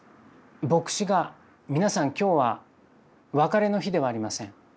牧師が「皆さん今日は別れの日ではありません。